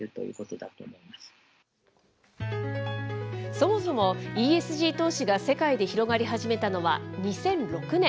そもそも、ＥＳＧ投資が世界で広がり始めたのは２００６年。